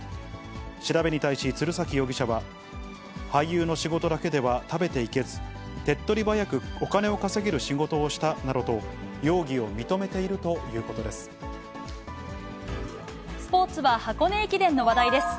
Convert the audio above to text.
調べに対し鶴崎容疑者は、俳優の仕事だけでは食べていけず、手っとり早くお金を稼げる仕事をしたなどと、容疑を認めているとスポーツは、箱根駅伝の話題です。